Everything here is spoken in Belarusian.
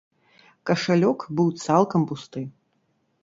Кашалёк быў цалкам пусты.